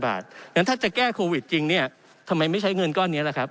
เพราะฉะนั้นถ้าจะแก้โควิดจริงเนี่ยทำไมไม่ใช้เงินก้อนนี้ล่ะครับ